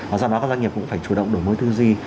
và do đó các doanh nghiệp cũng phải chủ động đổi mới tư duy